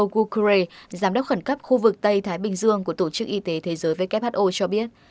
googrey giám đốc khẩn cấp khu vực tây thái bình dương của tổ chức y tế thế giới who cho biết